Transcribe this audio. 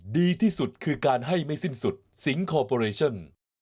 ดีที่สุดคือการให้ไม่สิ้นสุดสิงคอร์ปอเรชั่น